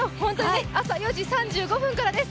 朝４時３５分からです。